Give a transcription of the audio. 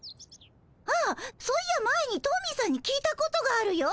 あっそういや前にトミーさんに聞いたことがあるよ。